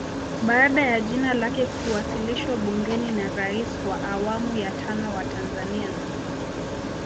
Baada ya jina lake kuwasilishwa bungeni na Rais wa awamu ya tano wa Tanzania